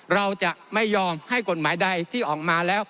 เราจะไม่ยอมให้กฎหมายใดที่ออกมาแล้ว